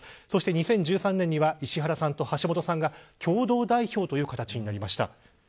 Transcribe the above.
そして、２０１３年には石原さんと橋下さんが共同代表という形になりました。